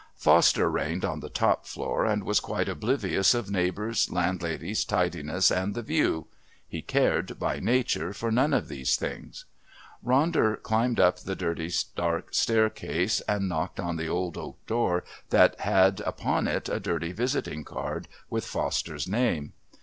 Foster reigned on the top floor and was quite oblivious of neighbours, landladies, tidiness, and the view he cared, by nature, for none of these things. Ronder climbed up the dirty dark staircase and knocked on the old oak door that had upon it a dirty visiting card with Foster's name.